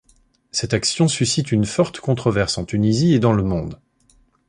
Cette action suscite une forte controverse en Tunisie et dans le monde.